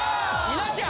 稲ちゃん。